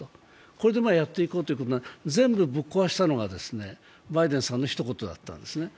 これでやっていこうということを全部ぶっ壊したのがバイデンさんの一言だったんですね。